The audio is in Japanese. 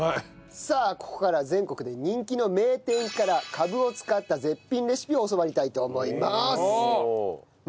さあここからは全国で人気の名店からカブを使った絶品レシピを教わりたいと思います。